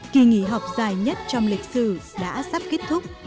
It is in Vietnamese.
kỳ nghỉ học dài nhất trong lịch sử đã sắp kết thúc